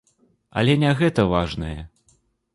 Але не гэта важнае.